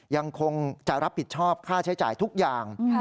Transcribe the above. ยังคงจะรับผิดชอบค่าใช้จ่ายทุกอย่าง